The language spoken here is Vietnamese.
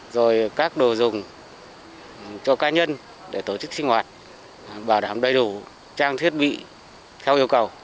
rồi các đồ dùng cho cá nhân để tổ chức sinh hoạt bảo đảm đầy đủ trang thiết bị theo yêu cầu